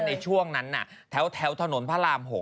ในช่วงนั้นแถวถนนพระราม๖